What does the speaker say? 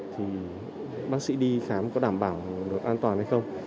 thì bác sĩ đi khám có đảm bảo được an toàn hay không